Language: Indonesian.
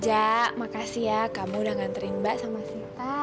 jah makasih ya kamu udah ngantri mbak sama sita